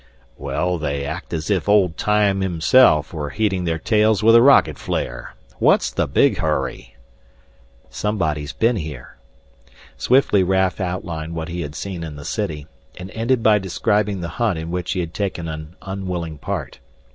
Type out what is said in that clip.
"Well, they act as if Old Time himself was heating their tails with a rocket flare. What's the big hurry?" "Somebody's been here." Swiftly Raf outlined what he had seen in the city, and ended by describing the hunt in which he had taken an unwilling part.